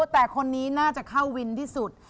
แต่คนนี้น่าจะเข้าวินที่สุด